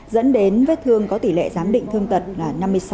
dẫn đến vết thương có tỷ lệ giám định thương tật là năm mươi sáu